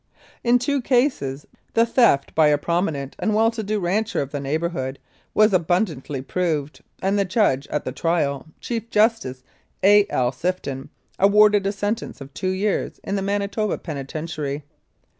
In two cases the theft by a pro minent and well to do rancher of the neighbourhood was abundantly proved, and the judge at the trial, Chief Justice A. L. S if ton, awarded a sentence of two years in the Manitoba penitentiary.